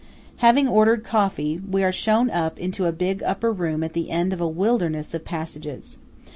Having ordered coffee, we are shown up into a big upper room at the end of a wilderness of passages.